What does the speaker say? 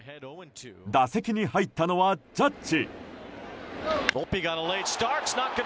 打席に入ったのはジャッジ。